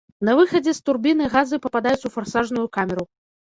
На выхадзе з турбіны газы пападаюць у фарсажную камеру.